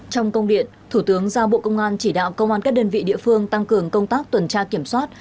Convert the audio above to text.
trong công điện thủ tướng giao bộ công an chỉ đạo công an các đơn vị địa phương tăng cường công tác tuần tra kiểm soát